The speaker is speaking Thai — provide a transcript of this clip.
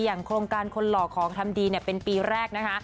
อย่างโครงการคนหล่อของทำดีเนี่ยเป็นปีแรกนะคะ